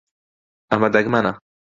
ئەمە دەگمەنە.